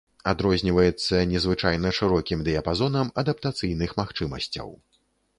Адрозніваецца незвычайна шырокім дыяпазонам адаптацыйных магчымасцяў.